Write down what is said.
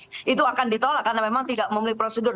itu akan ditolak karena memang tidak memiliki prosedur